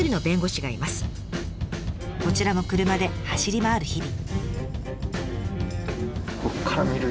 こちらも車で走り回る日々。